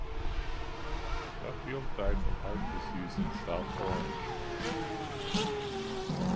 Duffield died from heart disease in South Orange.